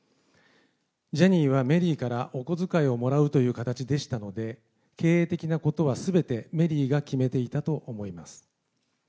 ジャニーはメリーからおこづかいをもらうという形でしたので、経営的なことはすべて、メリーが決めていたと思います。